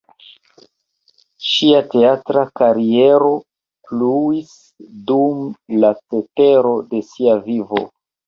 Ŝia teatra kariero pluis dum la cetero de sia vivo.